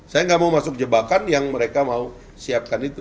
saya nggak mau masuk jebakan yang mereka mau siapkan itu